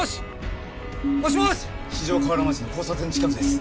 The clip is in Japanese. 四条河原町の交差点近くです。